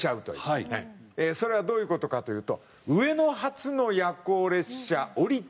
それはどういう事かというと。